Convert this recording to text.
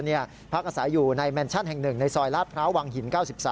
อีกหนึ่งในซอยลาดพร้าววังหิน๙๓